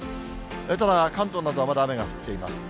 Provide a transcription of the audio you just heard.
ただ、関東などはまだ雨が降っています。